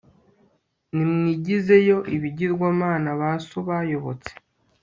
nimwigizeyo ibigirwamana ba so bayobotse